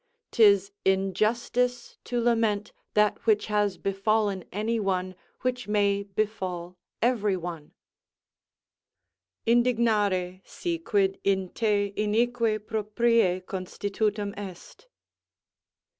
'Tis injustice to lament that which has befallen any one which may befall every one: "Indignare, si quid in to inique proprio constitutum est."